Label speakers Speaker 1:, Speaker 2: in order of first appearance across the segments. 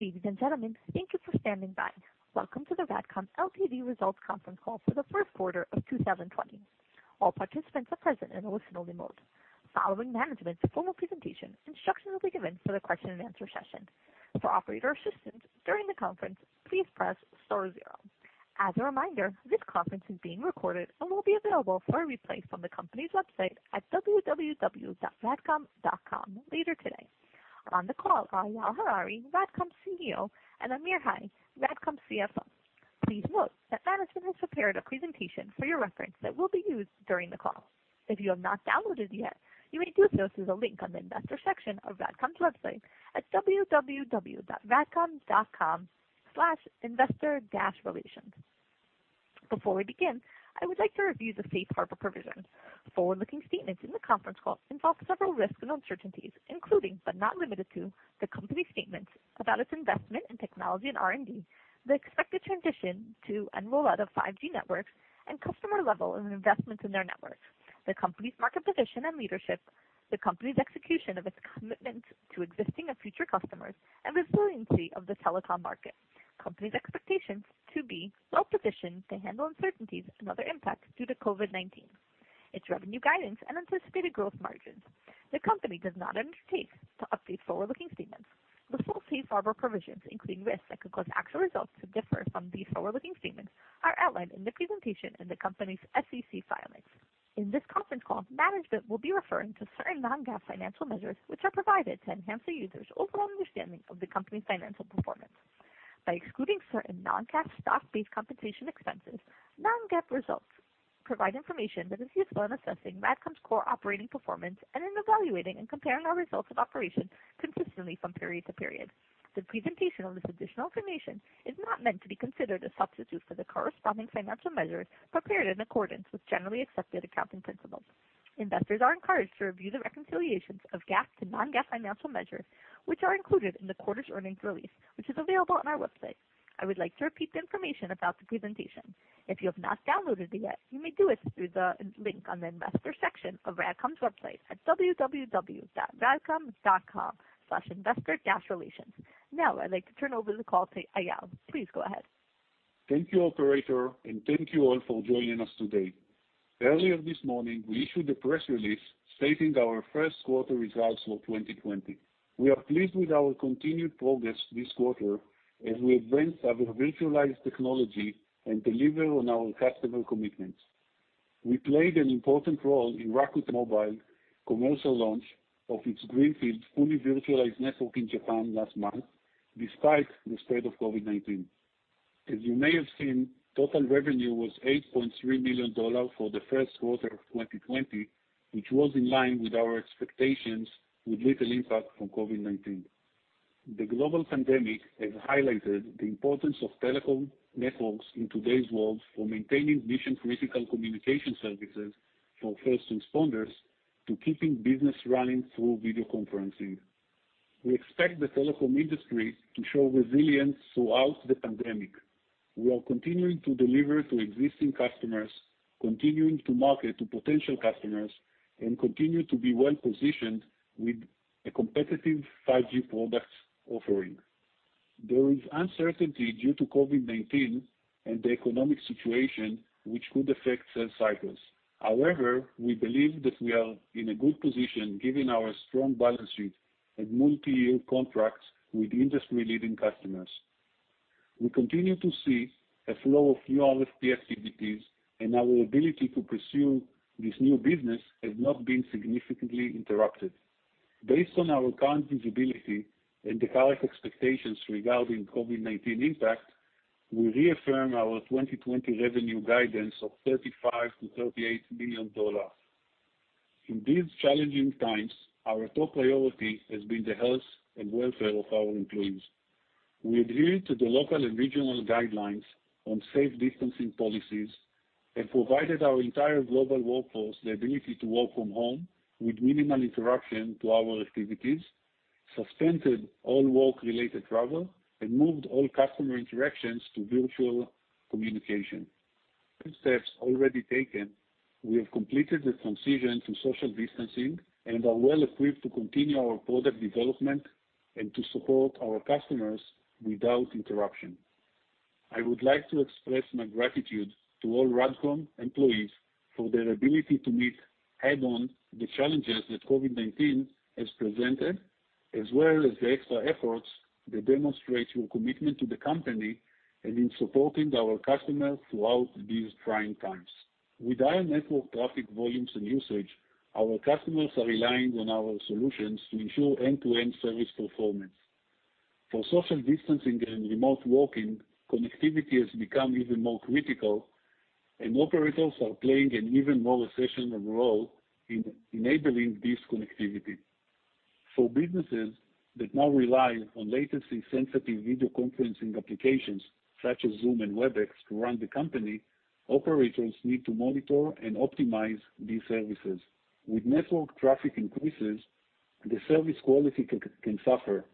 Speaker 1: Ladies and gentlemen, thank you for standing by. Welcome to the RADCOM Ltd results conference call for the first quarter of 2020. All participants are present in a listen-only mode. Following management's formal presentation, instructions will be given for the question and answer session. For operator assistance during the conference, please press star zero. As a reminder, this conference is being recorded and will be available for a replay from the company's website at www.radcom.com later today. On the call are Eyal Harari, RADCOM Chief Executive Officer, and Amir Hai, RADCOM Chief Financial Officer. Please note that management has prepared a presentation for your reference that will be used during the call. If you have not downloaded yet, you may do so through the link on the investor section of RADCOM's website at www.radcom.com/investor-relations. Before we begin, I would like to review the safe harbor provisions. Forward-looking statements in the conference call involve several risks and uncertainties, including but not limited to, the company statements about its investment in technology and R&D, the expected transition to and rollout of 5G networks, and customer level of investments in their networks, the company's market position and leadership, the company's execution of its commitment to existing and future customers, and the resiliency of the telecom market. Company's expectations to be well-positioned to handle uncertainties and other impacts due to COVID-19, its revenue guidance and anticipated growth margins. The company does not undertake to update forward-looking statements. The full safe harbor provisions, including risks that could cause actual results to differ from these forward-looking statements, are outlined in the presentation in the company's SEC filings. In this conference call, management will be referring to certain non-GAAP financial measures, which are provided to enhance the user's overall understanding of the company's financial performance. By excluding certain non-cash stock-based compensation expenses, non-GAAP results provide information that is useful in assessing RADCOM's core operating performance and in evaluating and comparing our results of operation consistently from period to period. The presentation of this additional information is not meant to be considered a substitute for the corresponding financial measures prepared in accordance with Generally Accepted Accounting Principles. Investors are encouraged to review the reconciliations of GAAP to non-GAAP financial measures, which are included in the quarter's earnings release, which is available on our website. I would like to repeat the information about the presentation. If you have not downloaded it yet, you may do it through the link on the investor section of RADCOM's website at www.radcom.com/investor-relations. Now, I'd like to turn over the call to Eyal. Please go ahead.
Speaker 2: Thank you, operator, and thank you all for joining us today. Earlier this morning, we issued a press release stating our first quarter results for 2020. We are pleased with our continued progress this quarter as we advance our virtualized technology and deliver on our customer commitments. We played an important role in Rakuten Mobile commercial launch of its greenfield fully virtualized network in Japan last month, despite the spread of COVID-19. As you may have seen, total revenue was $8.3 million for the first quarter of 2020, which was in line with our expectations with little impact from COVID-19. The global pandemic has highlighted the importance of telecom networks in today's world for maintaining mission-critical communication services for first responders to keeping business running through video conferencing. We expect the telecom industry to show resilience throughout the pandemic. We are continuing to deliver to existing customers, continuing to market to potential customers, and continue to be well-positioned with a competitive 5G product offering. There is uncertainty due to COVID-19 and the economic situation, which could affect sales cycles. However, we believe that we are in a good position given our strong balance sheet and multi-year contracts with industry-leading customers. We continue to see a flow of new RFP activities, and our ability to pursue this new business has not been significantly interrupted. Based on our current visibility and the current expectations regarding COVID-19 impact, we reaffirm our 2020 revenue guidance of $35 million-$38 million. In these challenging times, our top priority has been the health and welfare of our employees. We adhered to the local and regional guidelines on safe distancing policies and provided our entire global workforce the ability to work from home with minimal interruption to our activities, suspended all work-related travel, and moved all customer interactions to virtual communication. With the steps already taken, we have completed the transition to social distancing and are well equipped to continue our product development and to support our customers without interruption. I would like to express my gratitude to all RADCOM employees for their ability to meet head-on the challenges that COVID-19 has presented, as well as the extra efforts that demonstrate your commitment to the company and in supporting our customers throughout these trying times. With our network traffic volumes and usage, our customers are relying on our solutions to ensure end-to-end service performance. For social distancing and remote working, connectivity has become even more critical, and operators are playing an even more essential role in enabling this connectivity. For businesses that now rely on latency-sensitive video conferencing applications such as Zoom and WebEx to run the company, operators need to monitor and optimize these services. With network traffic increases, the service quality can suffer,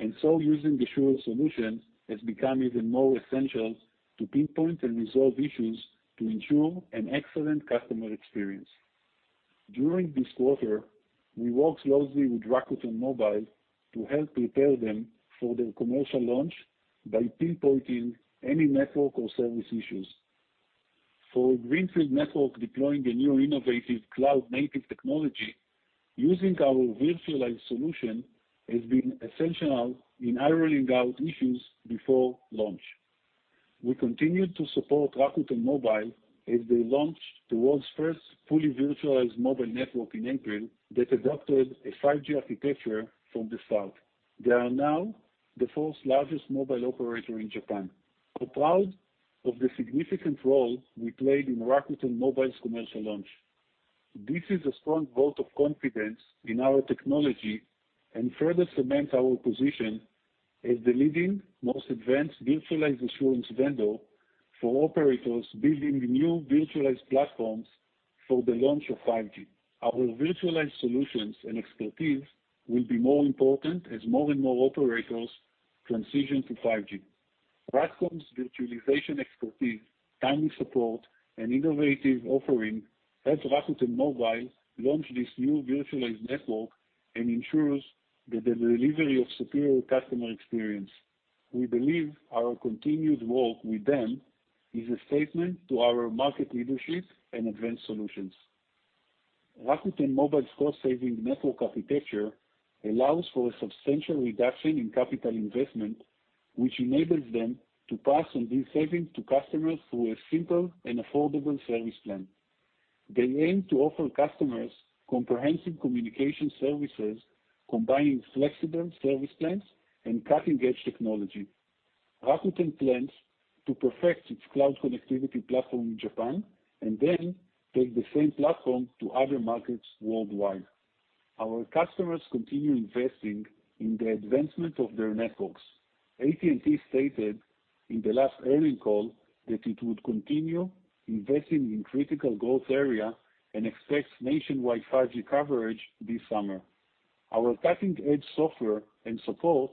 Speaker 2: and so using the Assure solution has become even more essential to pinpoint and resolve issues to ensure an excellent customer experience. During this quarter, we worked closely with Rakuten Mobile to help prepare them for their commercial launch by pinpointing any network or service issues. For a greenfield network deploying a new innovative cloud-native technology, using our virtualized solution has been essential in ironing out issues before launch. We continued to support Rakuten Mobile as they launched the world's first fully virtualized mobile network in April that adopted a 5G architecture from the start. They are now the fourth-largest mobile operator in Japan. We're proud of the significant role we played in Rakuten Mobile's commercial launch. This is a strong vote of confidence in our technology and further cements our position as the leading, most advanced virtualized assurance vendor for operators building new virtualized platforms for the launch of 5G. Our virtualized solutions and expertise will be more important as more and more operators transition to 5G. RADCOM's virtualization expertise, timely support, and innovative offering helped Rakuten Mobile launch this new virtualized network and ensures the delivery of superior customer experience. We believe our continued work with them is a statement to our market leadership and advanced solutions. Rakuten Mobile's cost-saving network architecture allows for a substantial reduction in capital investment, which enables them to pass on these savings to customers through a simple and affordable service plan. They aim to offer customers comprehensive communication services, combining flexible service plans and cutting-edge technology. Rakuten plans to perfect its cloud connectivity platform in Japan and then take the same platform to other markets worldwide. Our customers continue investing in the advancement of their networks. AT&T stated in the last earnings call that it would continue investing in critical growth area and expects nationwide 5G coverage this summer. Our cutting-edge software and support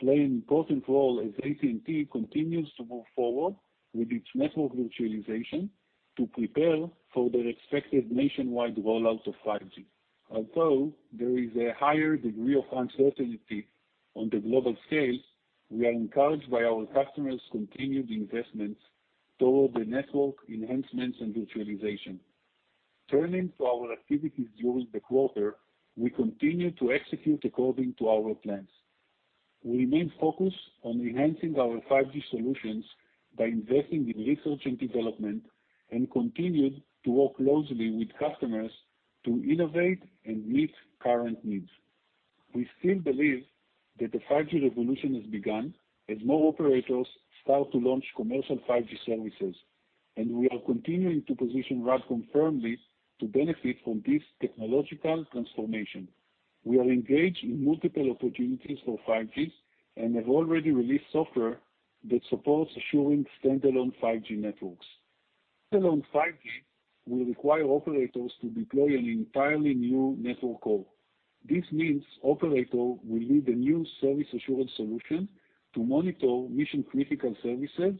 Speaker 2: play an important role as AT&T continues to move forward with its network virtualization to prepare for their expected nationwide rollout of 5G. Although there is a higher degree of uncertainty on the global scale, we are encouraged by our customers' continued investments toward the network enhancements and virtualization. Turning to our activities during the quarter, we continued to execute according to our plans. We remain focused on enhancing our 5G solutions by investing in research and development and continued to work closely with customers to innovate and meet current needs. We still believe that the 5G revolution has begun as more operators start to launch commercial 5G services, and we are continuing to position RADCOM firmly to benefit from this technological transformation. We are engaged in multiple opportunities for 5G and have already released software that supports assuring standalone 5G networks. Standalone 5G will require operators to deploy an entirely new network core. This means operator will need a new service assurance solution to monitor mission-critical services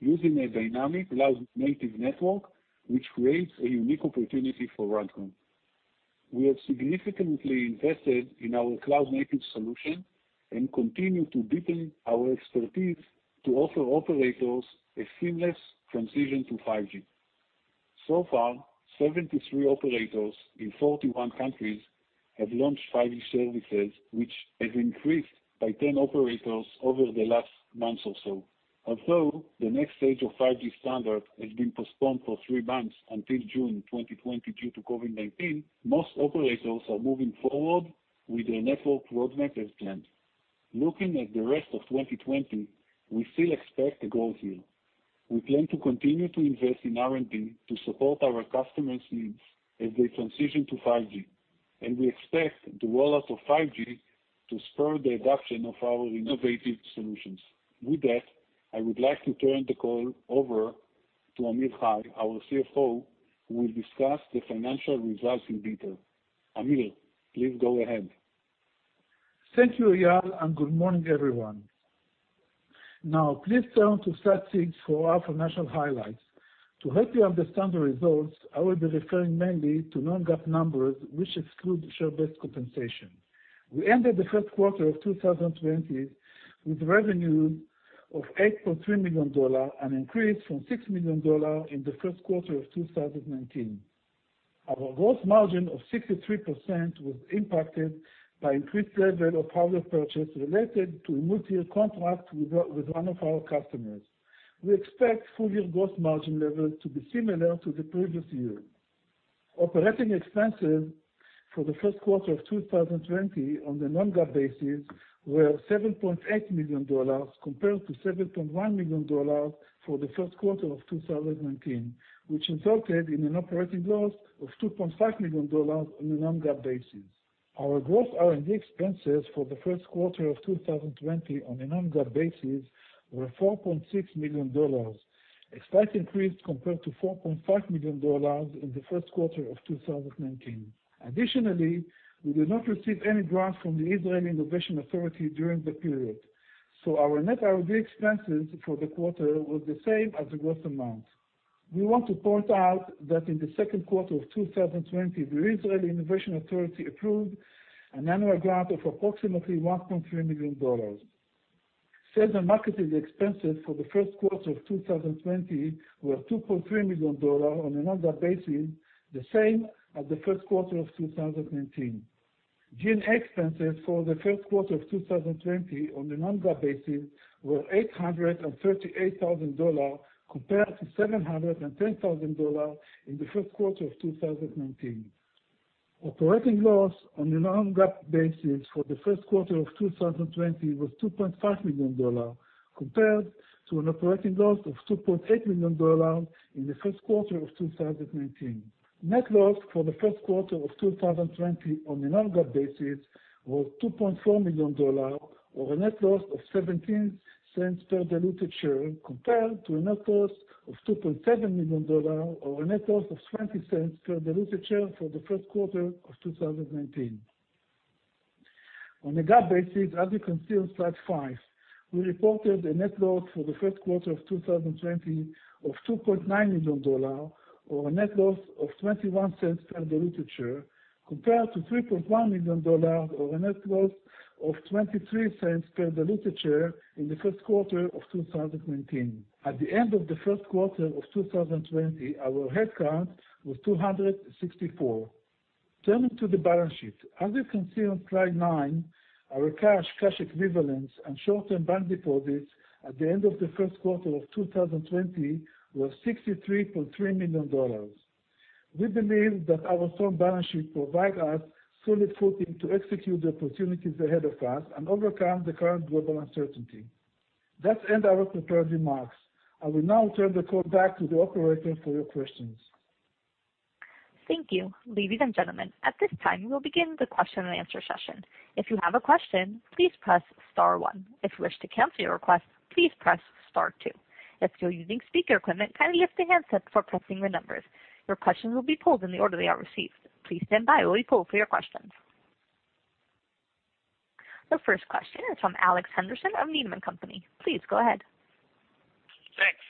Speaker 2: using a dynamic cloud-native network, which creates a unique opportunity for RADCOM. We have significantly invested in our cloud-native solution and continue to deepen our expertise to offer operators a seamless transition to 5G. So far, 73 operators in 41 countries have launched 5G services, which has increased by 10 operators over the last month or so. Although the next stage of 5G standard has been postponed for three months until June 2020 due to COVID-19, most operators are moving forward with their network road map as planned. Looking at the rest of 2020, we still expect growth here. We plan to continue to invest in R&D to support our customers' needs as they transition to 5G, and we expect the rollout of 5G to spur the adoption of our innovative solutions. With that, I would like to turn the call over to Amir Hai, our Chief Financial Officer, who will discuss the financial results in detail. Amir, please go ahead.
Speaker 3: Thank you, Eyal, and good morning, everyone. Now, please turn to slide six for our financial highlights. To help you understand the results, I will be referring mainly to non-GAAP numbers, which exclude share-based compensation. We ended the first quarter of 2020 with revenue of $8.3 million, an increase from $6 million in the first quarter of 2019. Our gross margin of 63% was impacted by increased level of hardware purchase related to a multi-year contract with one of our customers. We expect full-year gross margin levels to be similar to the previous year. Operating expenses for the first quarter of 2020 on a non-GAAP basis were $7.8 million compared to $7.1 million for the first quarter of 2019, which resulted in an operating loss of $2.5 million on a non-GAAP basis. Our gross R&D expenses for the first quarter of 2020 on a non-GAAP basis were $4.6 million. A slight increase compared to $4.5 million in the first quarter of 2019. We did not receive any grants from the Israel Innovation Authority during the period. Our net R&D expenses for the quarter were the same as the gross amount. We want to point out that in the second quarter of 2020, the Israel Innovation Authority approved an annual grant of approximately $1.3 million. Sales and marketing expenses for the first quarter of 2020 were $2.3 million on a non-GAAP basis, the same as the first quarter of 2019. G&A expenses for the first quarter of 2020 on the non-GAAP basis were $838,000, compared to $710,000 in the first quarter of 2019. Operating loss on a non-GAAP basis for the first quarter of 2020 was $2.5 million, compared to an operating loss of $2.8 million in the first quarter of 2019. Net loss for the first quarter of 2020 on a non-GAAP basis was $2.4 million, or a net loss of $0.17 per diluted share, compared to a net loss of $2.7 million, or a net loss of $0.20 per diluted share for the first quarter of 2019. On a GAAP basis, as you can see on slide five, we reported a net loss for the first quarter of 2020 of $2.9 million, or a net loss of $0.21 per diluted share, compared to $3.1 million or a net loss of $0.23 per diluted share in the first quarter of 2019. At the end of the first quarter of 2020, our headcount was 264. Turning to the balance sheet. As you can see on slide nine, our cash equivalents, and short-term bank deposits at the end of the first quarter of 2020 was $63.3 million. We believe that our strong balance sheet provide us solid footing to execute the opportunities ahead of us and overcome the current global uncertainty. That ends our prepared remarks. I will now turn the call back to the operator for your questions.
Speaker 1: Thank you. Ladies and gentlemen, at this time, we'll begin the question and answer session. If you have a question, please press star one. If you wish to cancel your request, please press star two. If you're using speaker equipment, kindly lift the handset before pressing the numbers. Your questions will be pulled in the order they are received. Please stand by while we pull for your questions. The first question is from Alex Henderson of Needham & Company. Please go ahead.
Speaker 4: Thanks.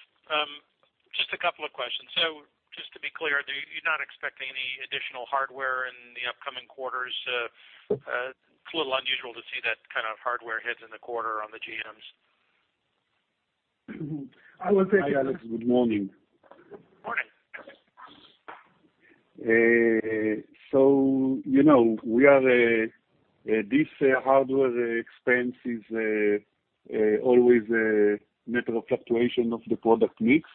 Speaker 4: Just a couple of questions. Just to be clear, you're not expecting any additional hardware in the upcoming quarters? It's a little unusual to see that kind of hardware hits in the quarter on the GMs.
Speaker 3: I will take-
Speaker 2: Hi, Alex. Good morning.
Speaker 4: Morning.
Speaker 2: This hardware expense is always a matter of fluctuation of the product mix.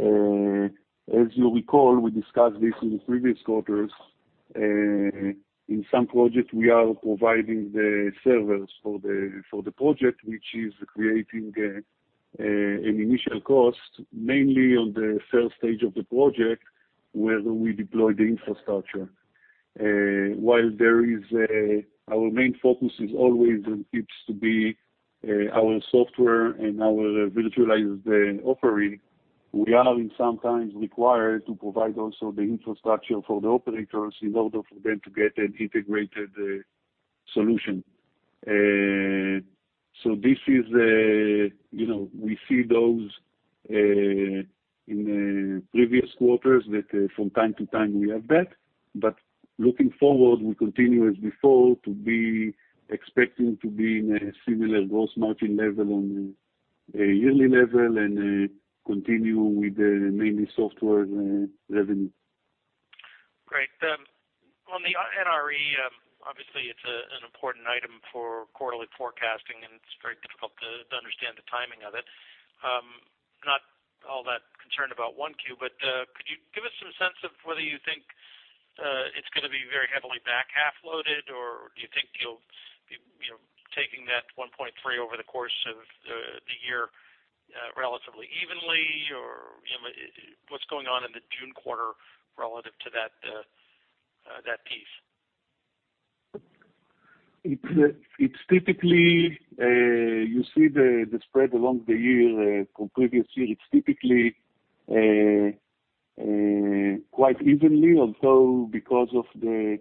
Speaker 2: As you recall, we discussed this in previous quarters. In some projects, we are providing the servers for the project, which is creating an initial cost, mainly on the sales stage of the project, where we deploy the infrastructure. While our main focus is always and keeps to be our software and our virtualized offering, we are sometimes required to provide also the infrastructure for the operators in order for them to get an integrated solution. We see those in previous quarters that from time to time we have that, but looking forward, we continue as before to be expecting to be in a similar gross margin level on a yearly level and continue with the mainly software revenue.
Speaker 4: Great. On the NRE, obviously it's an important item for quarterly forecasting, and it's very difficult to understand the timing of it. Not all that concerned about 1Q, could you give us some sense of whether you think it's going to be very heavily back-half-loaded, or do you think you'll be taking that $1.3 million over the course of the year relatively evenly, or what's going on in the June quarter relative to that piece?
Speaker 2: It's typically, you see the spread along the year from previous year, it's typically quite evenly, although because of the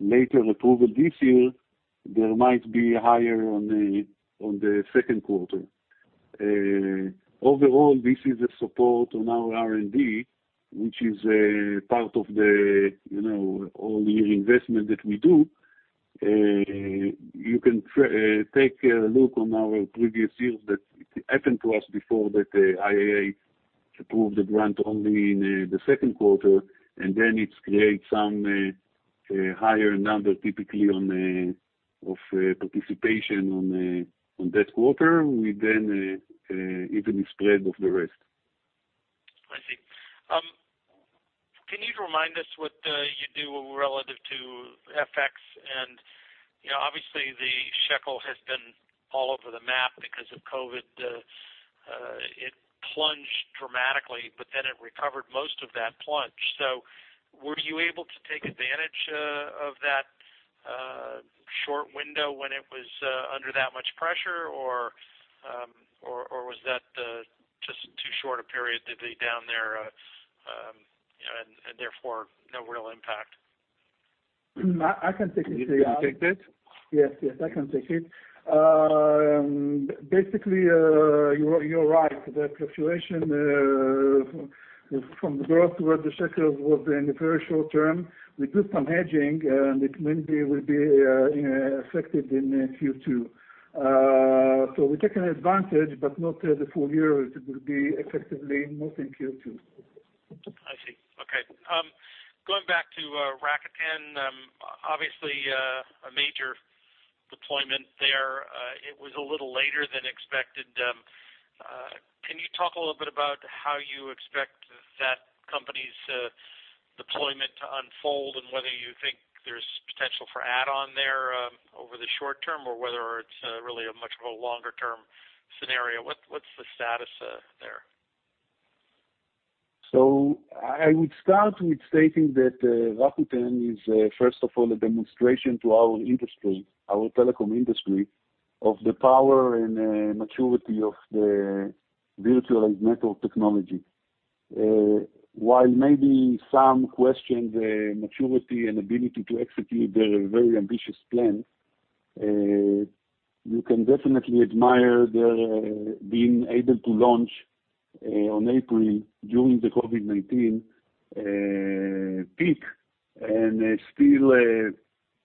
Speaker 2: later approval this year, there might be higher on the second quarter. Overall, this is a support on our R&D, which is part of all the investment that we do. You can take a look on our previous years that it happened to us before that IIA approved the grant only in the second quarter, and then it creates some higher number typically of participation on that quarter, with then evenly spread of the rest.
Speaker 4: I see. Can you remind us what you do relative to FX and obviously the shekel has been all over the map because of COVID-19. It plunged dramatically, it recovered most of that plunge. Were you able to take advantage of that short window when it was under that much pressure, or was that just too short a period to be down there? Therefore, no real impact.
Speaker 3: I can take it, Eyal.
Speaker 2: You can take that?
Speaker 3: Yes, I can take it. Basically, you are right. The fluctuation from the growth where the shekel was in the very short term, we did some hedging, and it mainly will be affected in Q2. We're taking advantage, but not the full year. It will be effectively not in Q2.
Speaker 4: I see. Okay. Going back to Rakuten, obviously, a major deployment there. It was a little later than expected. Can you talk a little bit about how you expect that company's deployment to unfold and whether you think there's potential for add-on there over the short term, or whether it's really a much of a longer-term scenario? What's the status there?
Speaker 2: I would start with stating that Rakuten is, first of all, a demonstration to our industry, our telecom industry, of the power and maturity of the virtualized network technology. While maybe some question the maturity and ability to execute their very ambitious plan, you can definitely admire their being able to launch in April during the COVID-19 peak, and still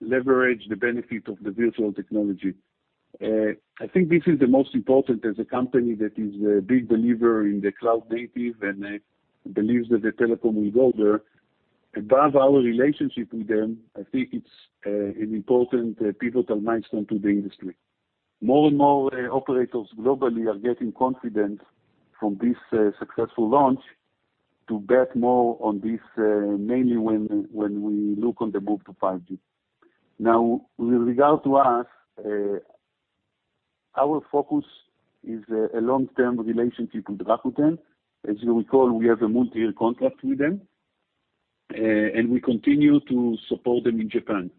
Speaker 2: leverage the benefit of the virtual technology. I think this is the most important as a company that is a big believer in the cloud-native and believes that the telecom will go there. Above our relationship with them, I think it's an important pivotal milestone to the industry. More and more operators globally are getting confidence from this successful launch to bet more on this, mainly when we look on the move to 5G. With regard to us, our focus is a long-term relationship with Rakuten. As you recall, we have a multi-year contract with them, and we continue to support them in Japan.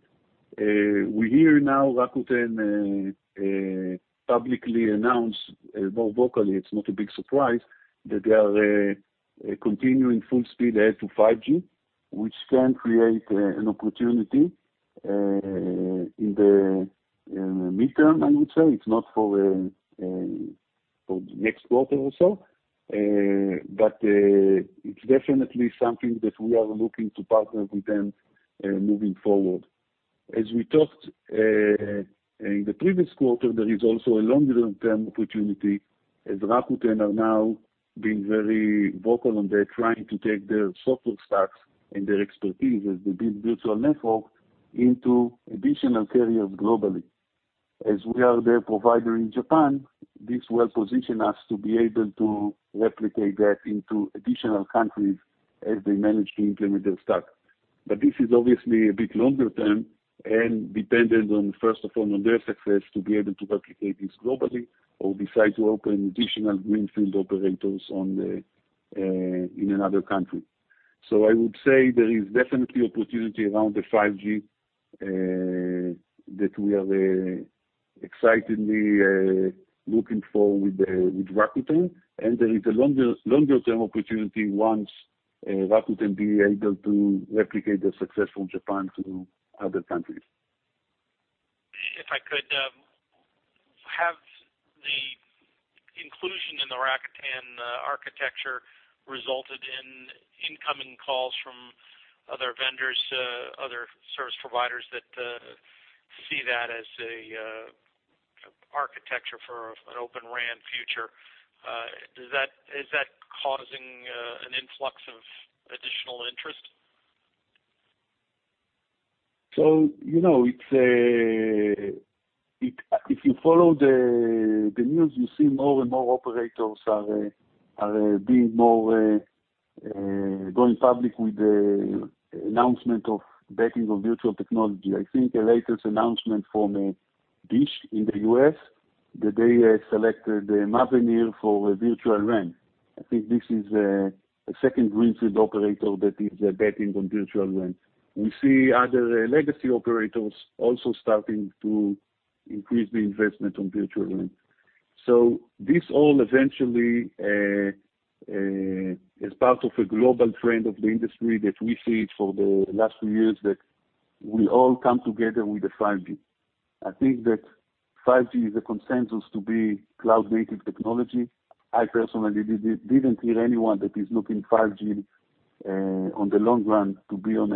Speaker 2: We hear now Rakuten publicly announce, more vocally, it's not a big surprise, that they are continuing full speed ahead to 5G, which can create an opportunity in the midterm, I would say. It's not for the next quarter or so. It's definitely something that we are looking to partner with them moving forward. As we talked in the previous quarter, there is also a longer-term opportunity, as Rakuten are now being very vocal, and they're trying to take their software stacks and their expertise as they build virtual network into additional carriers globally. As we are their provider in Japan, this will position us to be able to replicate that into additional countries as they manage to implement their stack. This is obviously a bit longer term, and dependent on, first of all, on their success to be able to replicate this globally or decide to open additional greenfield operators in another country. I would say there is definitely opportunity around the 5G, that we are excitedly looking for with Rakuten, and there is a longer-term opportunity once Rakuten be able to replicate the success from Japan to other countries.
Speaker 4: If I could, have the inclusion in the Rakuten architecture resulted in incoming calls from other vendors, other service providers that see that as architecture for an Open RAN future. Is that causing an influx of additional interest?
Speaker 2: If you follow the news, you see more and more operators are going public with the announcement of backing of virtual technology. I think the latest announcement from DISH in the U.S., that they selected Mavenir for virtual RAN. I think this is a second greenfield operator that is betting on virtual RAN. We see other legacy operators also starting to increase the investment on virtual RAN. This all eventually is part of a global trend of the industry that we see it for the last few years, that we all come together with the 5G. I think that 5G is a consensus to be cloud-native technology. I personally didn't hear anyone that is looking 5G, on the long run, to be on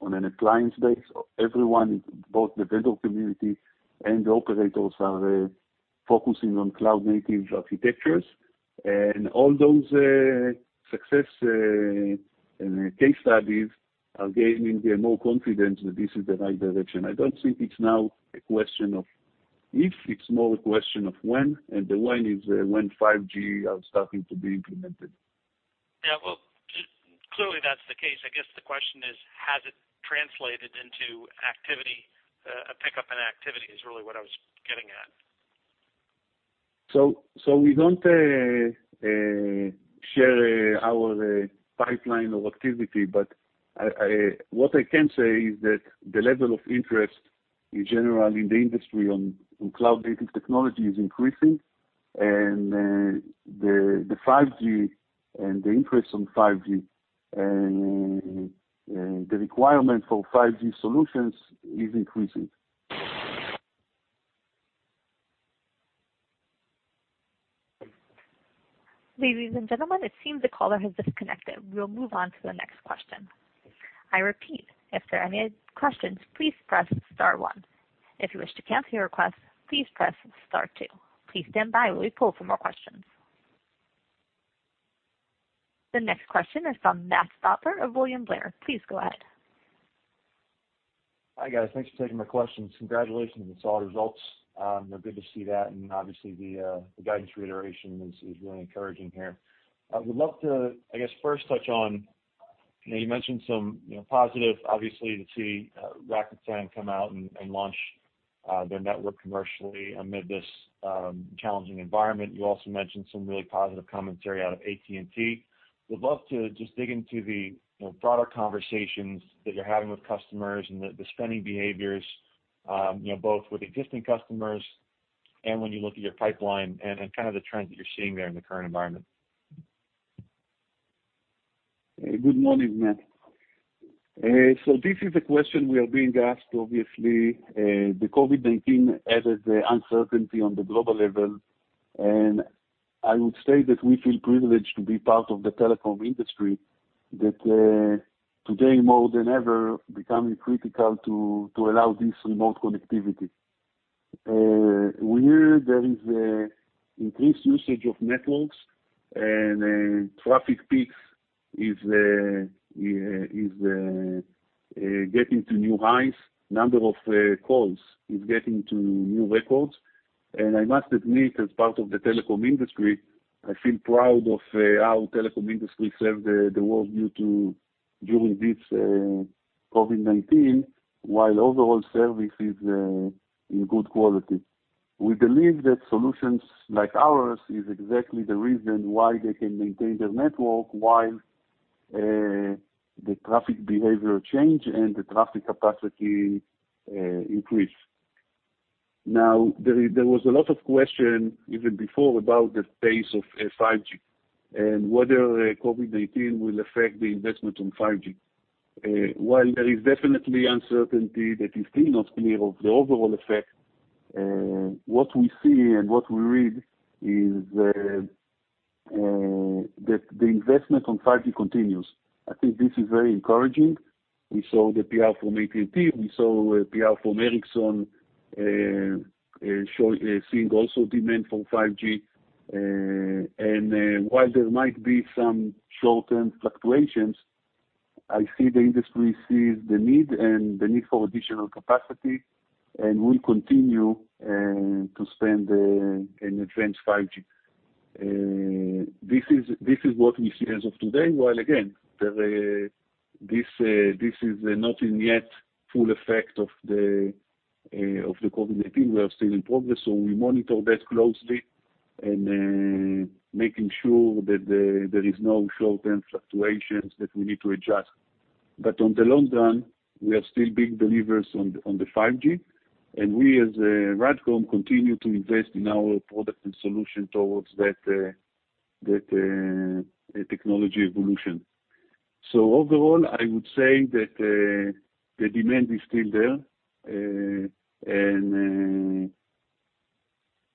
Speaker 2: an appliance base. Everyone, both the vendor community and the operators, are focusing on cloud-native architectures. All those success case studies are gaining more confidence that this is the right direction. I don't think it's now a question of if, it's more a question of when, and the when is when 5G are starting to be implemented.
Speaker 4: Yeah, well, clearly that's the case. I guess the question is, has it translated into activity? A pickup in activity is really what I was getting at.
Speaker 2: We don't share our pipeline of activity, but what I can say is that the level of interest in general in the industry on cloud-native technology is increasing, and the interest on 5G, and the requirement for 5G solutions is increasing.
Speaker 1: Ladies and gentlemen, it seems the caller has disconnected. We'll move on to the next question. I repeat, if there are any questions, please press star one. If you wish to cancel your request, please press star two. Please stand by while we pull for more questions. The next question is from Matt Stotler of William Blair. Please go ahead.
Speaker 5: Hi, guys. Thanks for taking my questions. Congratulations. We saw the results, good to see that, and obviously, the guidance reiteration is really encouraging here. I would love to, I guess, first touch on, you mentioned some positive, obviously, to see Rakuten come out and launch their network commercially amid this challenging environment. You also mentioned some really positive commentary out of AT&T. Would love to just dig into the broader conversations that you're having with customers and the spending behaviors, both with existing customers and when you look at your pipeline and the trend that you're seeing there in the current environment.
Speaker 2: Good morning, Matt. This is a question we are being asked, obviously. The COVID-19 added the uncertainty on the global level, and I would say that we feel privileged to be part of the telecom industry that today, more than ever, becoming critical to allow this remote connectivity. We hear there is increased usage of networks, and traffic peaks is getting to new highs, number of calls is getting to new records. I must admit, as part of the telecom industry, I feel proud of how telecom industry served the world during this COVID-19, while overall service is in good quality. We believe that solutions like ours is exactly the reason why they can maintain their network, while the traffic behavior change and the traffic capacity increase. There was a lot of question even before about the pace of 5G and whether COVID-19 will affect the investment on 5G. While there is definitely uncertainty that is still not clear of the overall effect, what we see and what we read is that the investment on 5G continues. I think this is very encouraging. We saw the PR from AT&T, we saw PR from Ericsson, seeing also demand for 5G. While there might be some short-term fluctuations, I see the industry sees the need and the need for additional capacity and will continue to spend and advance 5G. This is what we see as of today, while again, this is not in yet full effect of the COVID-19. We are still in progress, so we monitor that closely and making sure that there is no short-term fluctuations that we need to adjust. In the long run, we are still big believers on the 5G, and we as RADCOM continue to invest in our product and solution towards that technology evolution. Overall, I would say that the demand is still there, and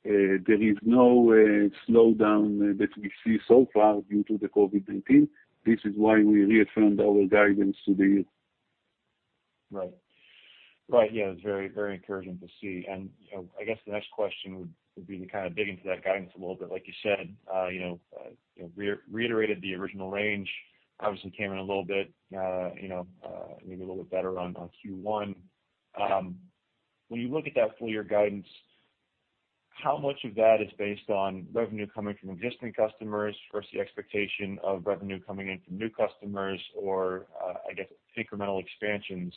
Speaker 2: there is no slowdown that we see so far due to the COVID-19. This is why we reaffirmed our guidance to the year.
Speaker 5: Right. Yeah, it's very encouraging to see. I guess the next question would be to dig into that guidance a little bit. Like you said, reiterated the original range, obviously came in a little bit, maybe a little bit better on Q1. When you look at that full year guidance, how much of that is based on revenue coming from existing customers versus the expectation of revenue coming in from new customers or, I guess, incremental expansions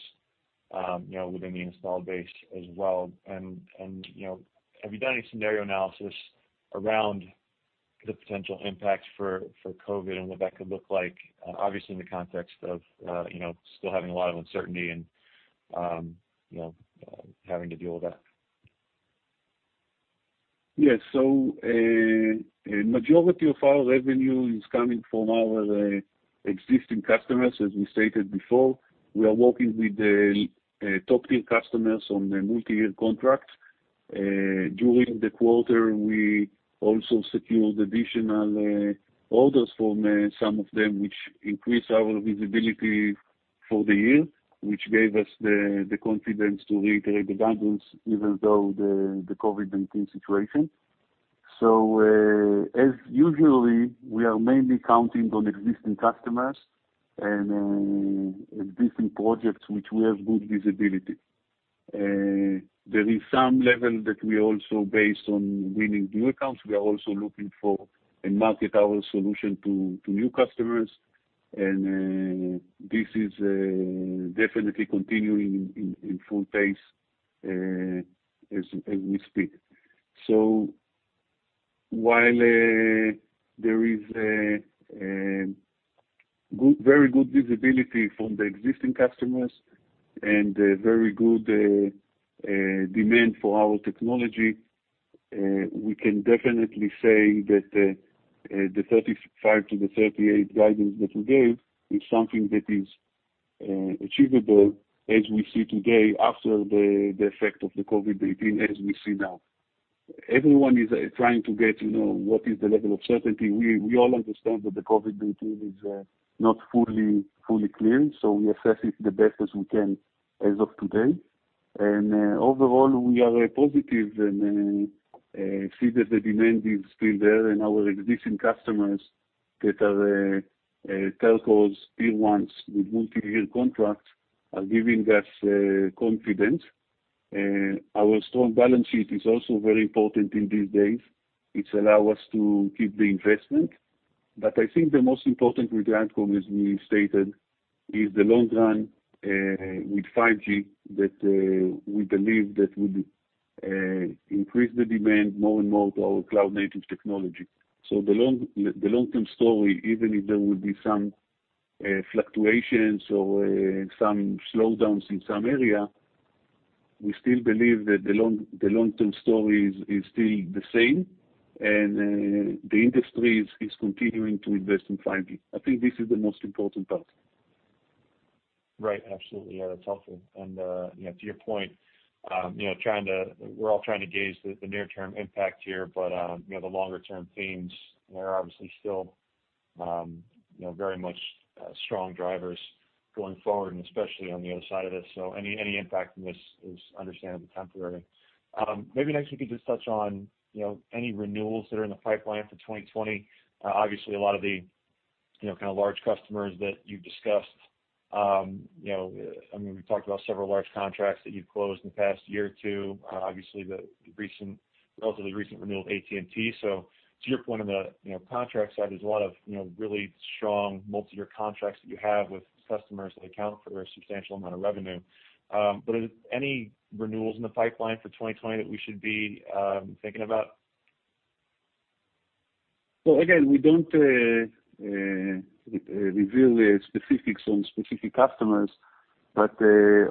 Speaker 5: within the installed base as well? Have you done any scenario analysis around the potential impact for COVID and what that could look like, obviously in the context of still having a lot of uncertainty and having to deal with that?
Speaker 2: Yes. Majority of our revenue is coming from our existing customers, as we stated before. We are working with top-tier customers on multiyear contracts. During the quarter, we also secured additional orders from some of them, which increased our visibility for the year, which gave us the confidence to reiterate the guidance even though the COVID-19 situation. As usually, we are mainly counting on existing customers and existing projects, which we have good visibility. There is some level that we also based on winning new accounts. We are also looking for and market our solution to new customers, and this is definitely continuing in full pace as we speak. While there is very good visibility from the existing customers and very good demand for our technology, we can definitely say that the $35 million-$38 million guidance that we gave is something that is achievable as we see today after the effect of the COVID-19 as we see now. Everyone is trying to get to know what is the level of certainty. We all understand that the COVID-19 is not fully clear, so we assess it the best as we can as of today. Overall, we are positive and see that the demand is still there, and our existing customers that are telcos, tier ones with multi-year contracts, are giving us confidence. Our strong balance sheet is also very important in these days, which allow us to keep the investment. I think the most important with RADCOM, as we stated, is the long run with 5G that we believe that will increase the demand more and more to our cloud-native technology. The long-term story, even if there would be some fluctuations or some slowdowns in some areas, we still believe that the long-term story is still the same and the industry is continuing to invest in 5G. I think this is the most important part.
Speaker 5: Right. Absolutely. That's helpful. To your point, we're all trying to gauge the near-term impact here, but the longer-term themes are obviously still very much strong drivers going forward, and especially on the other side of this. Any impact from this is understandably temporary. Maybe next, you could just touch on any renewals that are in the pipeline for 2020. Obviously, a lot of the large customers that you've discussed, we've talked about several large contracts that you've closed in the past year or two. Obviously, the relatively recent renewal of AT&T. To your point on the contract side, there's a lot of really strong multi-year contracts that you have with customers that account for a substantial amount of revenue. Any renewals in the pipeline for 2020 that we should be thinking about?
Speaker 2: Again, we don't reveal specifics on specific customers, but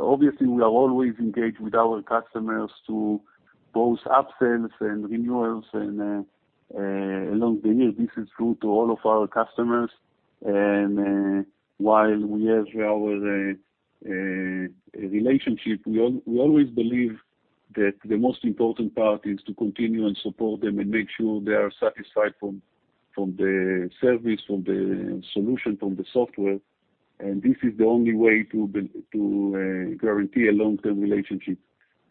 Speaker 2: obviously, we are always engaged with our customers to both upsells and renewals along the year. This is true to all of our customers. While we have our relationship, we always believe that the most important part is to continue and support them and make sure they are satisfied from the service, from the solution, from the software. This is the only way to guarantee a long-term relationship.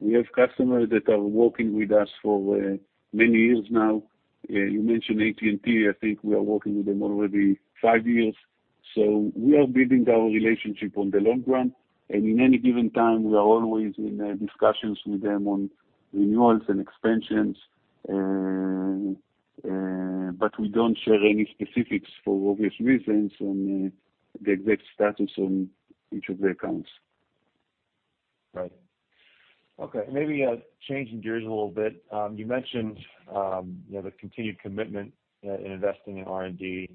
Speaker 2: We have customers that are working with us for many years now. You mentioned AT&T, I think we are working with them already five years. We are building our relationship on the long run, and in any given time, we are always in discussions with them on renewals and expansions, but we don't share any specifics for obvious reasons on the exact status on each of the accounts.
Speaker 5: Right. Okay, maybe changing gears a little bit. You mentioned the continued commitment in investing in R&D,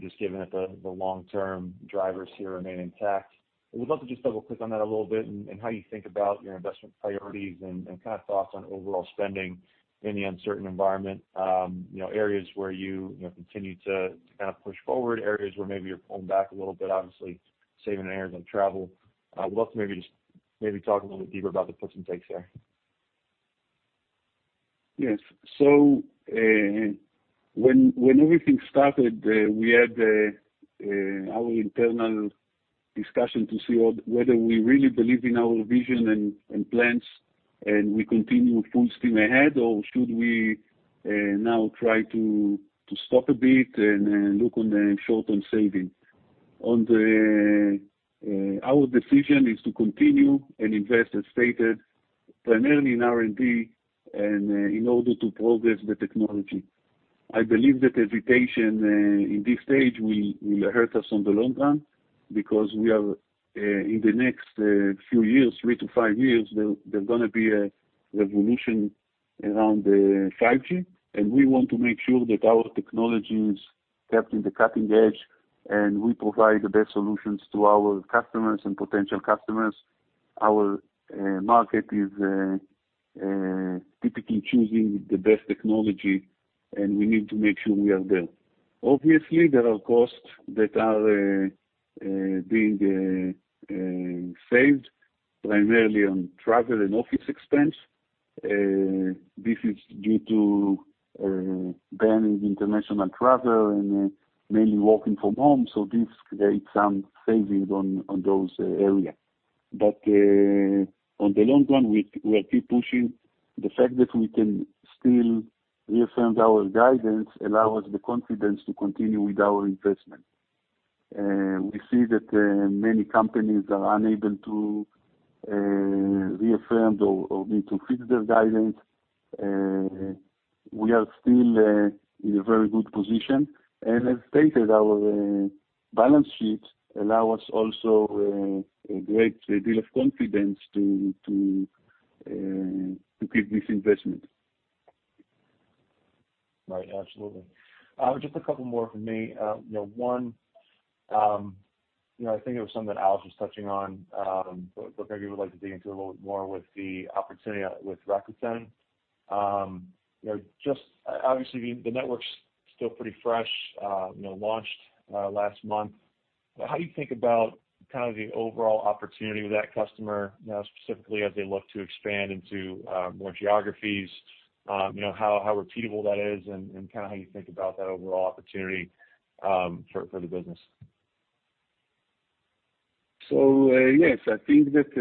Speaker 5: just given that the long-term drivers here remain intact. I would love to just double-click on that a little bit and how you think about your investment priorities and thoughts on overall spending in the uncertain environment, areas where you continue to push forward, areas where maybe you're pulling back a little bit, obviously saving areas on travel. I would love to maybe just talk a little deeper about the puts and takes there.
Speaker 2: Yes. When everything started, we had our internal discussion to see whether we really believe in our vision and plans, and we continue full steam ahead, or should we now try to stop a bit and look on the short-term savings. Our decision is to continue and invest as stated, primarily in R&D and in order to progress the technology. I believe that hesitation in this stage will hurt us on the long run because in the next few years, three to five years, there's going to be a revolution around 5G, and we want to make sure that our technology is kept in the cutting edge, and we provide the best solutions to our customers and potential customers. Our market is typically choosing the best technology, and we need to make sure we are there. There are costs that are being saved primarily on travel and office expense. This is due to banning international travel and mainly working from home, so this creates some savings on those areas. In the long run, we are keep pushing. The fact that we can still reaffirm our guidance allows us the confidence to continue with our investment. We see that many companies are unable to reaffirm or need to fix their guidance. We are still in a very good position, and as stated, our balance sheet allows us also a great deal of confidence to keep this investment.
Speaker 5: Right. Absolutely. Just a couple more from me. One, I think it was something that Alex was touching on, but maybe we'd like to dig into a little bit more with the opportunity with Rakuten. Obviously, the network's still pretty fresh, launched last month. How do you think about the overall opportunity with that customer, specifically as they look to expand into more geographies, how repeatable that is, and how you think about that overall opportunity for the business?
Speaker 2: Yes, I think that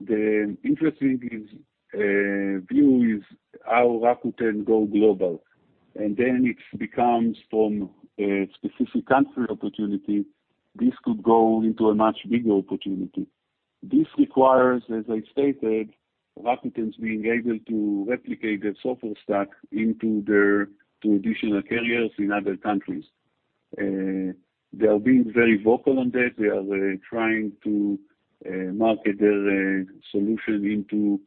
Speaker 2: the interesting view is how Rakuten go global, and then it becomes from a specific country opportunity, this could go into a much bigger opportunity. This requires, as I stated, Rakuten's being able to replicate their software stack into additional carriers in other countries. They are being very vocal on that. They are trying to market their solution into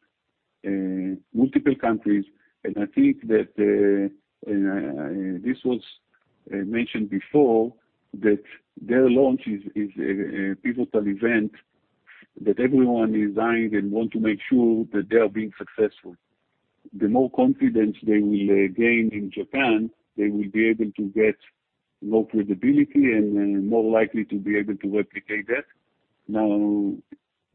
Speaker 2: multiple countries, and I think that this was mentioned before, that their launch is a pivotal event that everyone is eyeing and want to make sure that they are being successful. The more confidence they will gain in Japan, they will be able to get more credibility and more likely to be able to replicate that.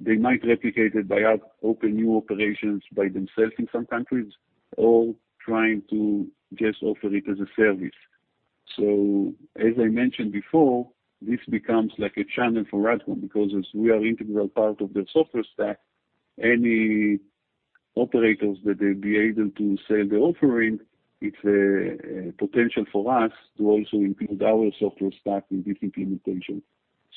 Speaker 2: They might replicate it by opening new operations by themselves in some countries, or trying to just offer it as a service. As I mentioned before, this becomes like a channel for Rakuten, because as we are integral part of their software stack, any operators that they'll be able to sell the offering, it's a potential for us to also include our software stack in different implementations.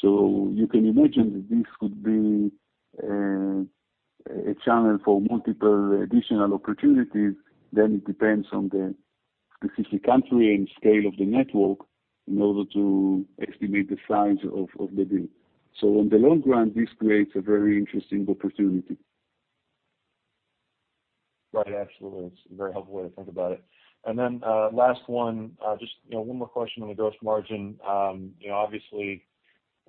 Speaker 2: You can imagine that this could be a channel for multiple additional opportunities, then it depends on the specific country and scale of the network in order to estimate the size of the deal. In the long run, this creates a very interesting opportunity.
Speaker 5: Right. Absolutely. It's a very helpful way to think about it. Last one, just one more question on the gross margin. Obviously,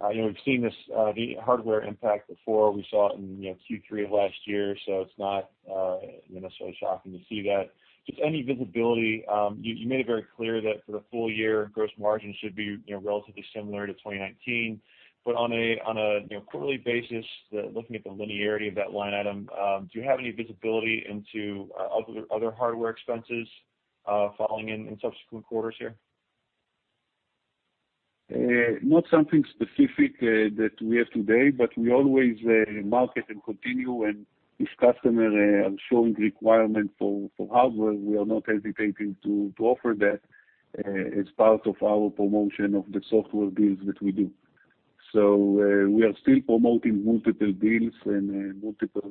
Speaker 5: we've seen the hardware impact before. We saw it in Q3 of last year, it's not so shocking to see that. Just any visibility, you made it very clear that for the full year, gross margin should be relatively similar to 2019. On a quarterly basis, looking at the linearity of that line item, do you have any visibility into other hardware expenses falling in subsequent quarters here?
Speaker 2: Not something specific that we have today, but we always market and continue, and if customers are showing requirement for hardware, we are not hesitating to offer that as part of our promotion of the software deals that we do. We are still promoting multiple deals and multiple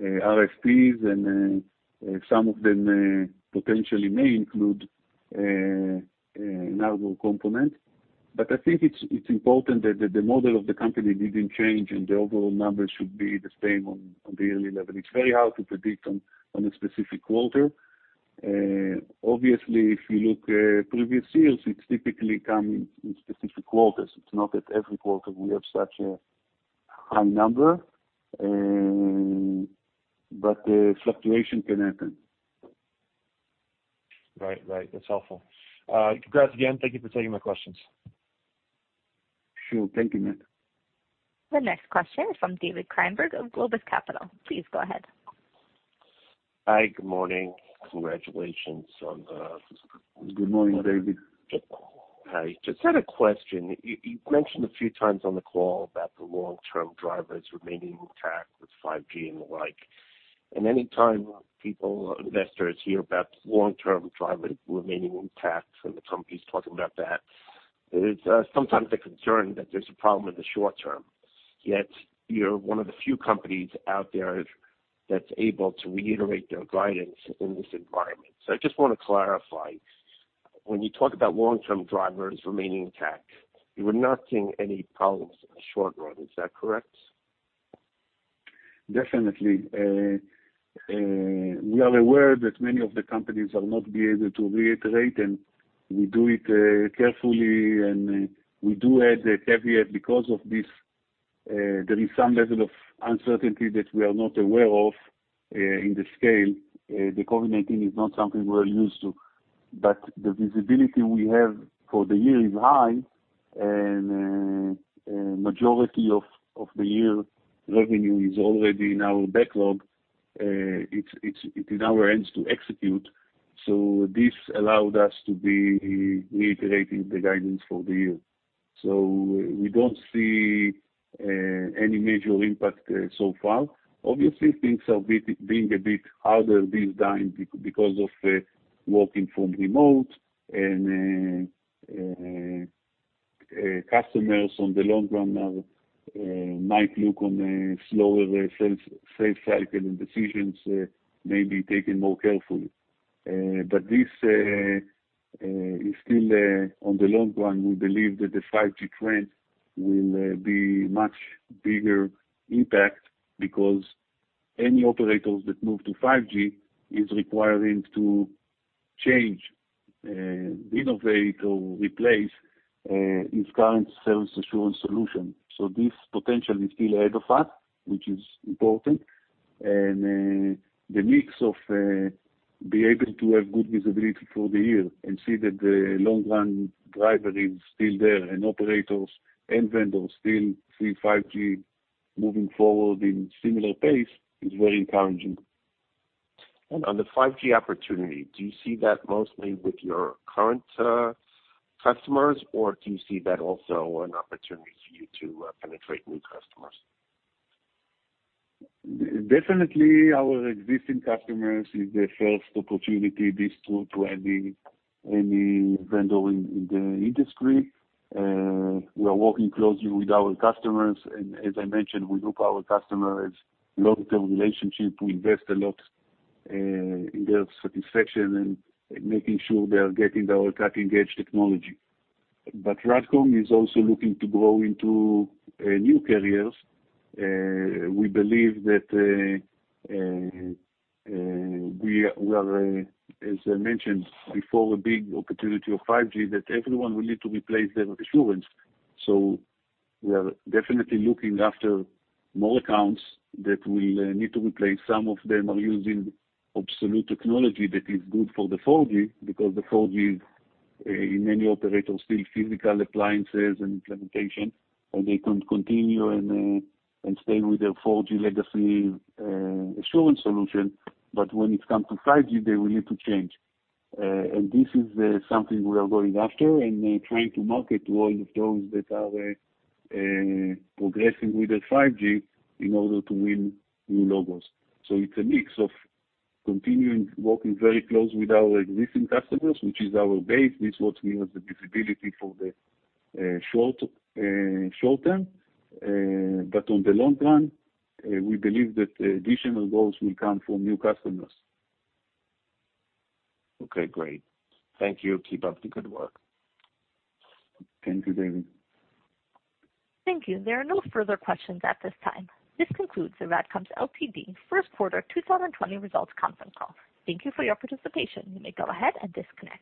Speaker 2: RFPs, and some of them potentially may include a hardware component. I think it's important that the model of the company didn't change, and the overall numbers should be the same on the yearly level. It's very hard to predict on a specific quarter. Obviously, if you look at previous years, it typically comes in specific quarters. It's not that every quarter we have such a high number, but fluctuation can happen.
Speaker 5: Right. That's helpful. Congrats again. Thank you for taking my questions.
Speaker 2: Sure. Thank you, Matt.
Speaker 1: The next question is from David Kleinberg of Globus Capital. Please go ahead.
Speaker 6: Hi. Good morning. Congratulations.
Speaker 2: Good morning, David.
Speaker 6: Hi. Just had a question. You've mentioned a few times on the call about the long-term drivers remaining intact with 5G and the like. Anytime people or investors hear about long-term drivers remaining intact, and the company's talking about that, it is sometimes a concern that there's a problem in the short term. Yet you're one of the few companies out there that's able to reiterate their guidance in this environment. I just want to clarify, when you talk about long-term drivers remaining intact, you are not seeing any problems in the short run. Is that correct?
Speaker 2: Definitely. We are aware that many of the companies will not be able to reiterate, and we do it carefully, and we do add a caveat because of this. There is some level of uncertainty that we are not aware of in the scale. The COVID-19 is not something we're used to, but the visibility we have for the year is high, and majority of the year revenue is already in our backlog. It's in our hands to execute. This allowed us to be reiterating the guidance for the year. We don't see any major impact so far. Things are being a bit harder this time because of working from remote and customers on the long run now might look on a slower sales cycle, and decisions may be taken more carefully. This is still on the long run, we believe that the 5G trend will be much bigger impact. Any operators that move to 5G is requiring to change, innovate, or replace its current service assurance solution. This potential is still ahead of us, which is important, and the mix of being able to have good visibility for the year and see that the long-run driver is still there and operators and vendors still see 5G moving forward in similar pace is very encouraging.
Speaker 6: On the 5G opportunity, do you see that mostly with your current customers, or do you see that also an opportunity for you to penetrate new customers?
Speaker 2: Definitely, our existing customers is the first opportunity. This true to any vendor in the industry. We are working closely with our customers, and as I mentioned, we look our customers long-term relationship, we invest a lot in their satisfaction and making sure they are getting our cutting-edge technology. RADCOM is also looking to grow into new carriers. We believe that, as I mentioned before, a big opportunity of 5G, that everyone will need to replace their assurance. We are definitely looking after more accounts that will need to replace. Some of them are using obsolete technology that is good for the 4G because the 4G in many operators still physical appliances and implementation, and they can continue and stay with their 4G legacy assurance solution. When it come to 5G, they will need to change. This is something we are going after and trying to market to all of those that are progressing with their 5G in order to win new logos. It's a mix of continuing working very close with our existing customers, which is our base. This what gives us the visibility for the short-term, but on the long run, we believe that additional goals will come from new customers.
Speaker 6: Okay, great. Thank you. Keep up the good work.
Speaker 2: Thank you, David.
Speaker 1: Thank you. There are no further questions at this time. This concludes the RADCOM's Ltd first quarter 2020 results conference call. Thank you for your participation. You may go ahead and disconnect.